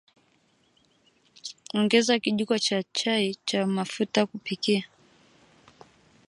Ongeza kijiko cha chai cha mafuta ya kupikia